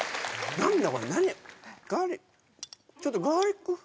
何だ？